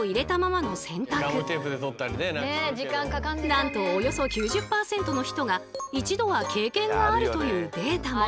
なんとおよそ９０％の人が一度は経験があるというデータも。